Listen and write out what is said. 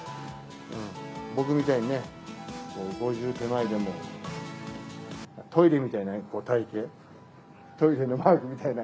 僕みたいにね、５０手前でもトイレみたいな体形、トイレのマークみたいな。